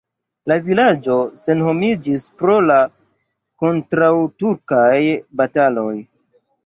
La vilaĝo senhomiĝis pro la kontraŭturkaj bataloj.